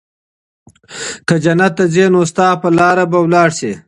که جنت ته ځي نو ستا په لار به ولاړ سي